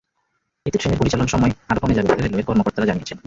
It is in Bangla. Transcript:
এতে ট্রেনের পরিচালন সময় আরও কমে যাবে বলে রেলওয়ের কর্মকর্তারা জানিয়েছেন।